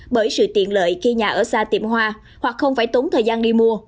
bởi sự tiện lợi khi nhà ở xa tiệm hoa hoặc không phải tốn thời gian đi mua